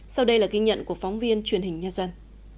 sau đây là ghi nhận của phóng viên truyền hình nhân dân